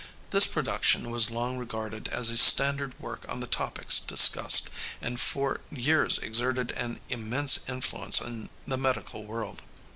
This production was long regarded as a standard work on the topics discussed, and for years exerted an immense influence in the medical world.